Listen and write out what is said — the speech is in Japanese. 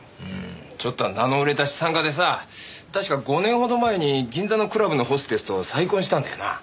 ちょっとは名の売れた資産家でさたしか５年ほど前に銀座のクラブのホステスと再婚したんだよな。